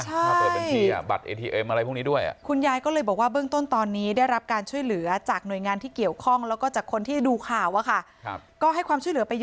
ถ้าเปิดบัญชีบัตรเอทีเอ็มอะไรพวกนี้ด้วยคุณยายก็เลยบอกว่าเบื้องต้นตอนนี้ได้รับการช่วยเหลือจากหน่วยงานที่เกี่ยวข้องแล้วก็จากคนที่ดูข่าว